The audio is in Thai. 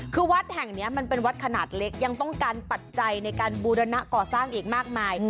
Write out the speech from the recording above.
คือวัดแห่งนี้มันเป็นวัดขนาดเล็กยังต้องการปัจจัยในการบูรณะก่อสร้างอีกมากมาย